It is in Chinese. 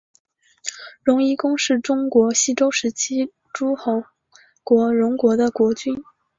荣夷公是中国西周时期诸侯国荣国的国君。